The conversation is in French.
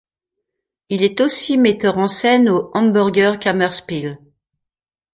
Il est aussi metteur en scène au Hamburger Kammerspiele.